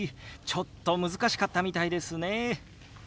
ちょっと難しかったみたいですね。